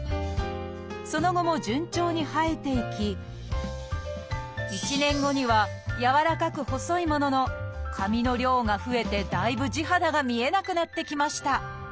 その後も順調に生えていき１年後にはやわらかく細いものの髪の量が増えてだいぶ地肌が見えなくなってきました